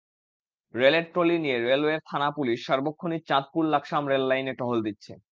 রেলের ট্রলি নিয়ে রেলওয়ে থানার পুলিশ সার্বক্ষণিক চাঁদপুর-লাকসাম রেললাইনে টহল দিচ্ছে।